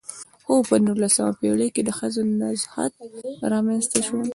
خو په نولسمه پېړۍ کې د ښځو نضهت رامنځته شو .